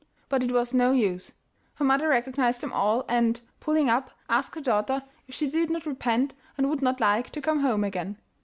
But it was no use. Her mother recognised them all, and, pulling up, asked her daughter if she did not repent and would not like to come home again.